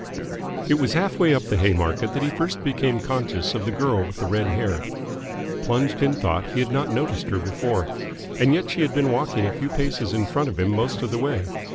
It was half way up the Haymarket that he first became conscious of the girl with the red hair. Plunged in thought, he had not noticed her before. And yet she had been walking a few paces in front of him most of the way.